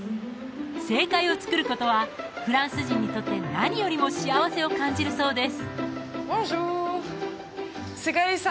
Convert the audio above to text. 正解を作ることはフランス人にとって何よりも幸せを感じるそうですボンジュール！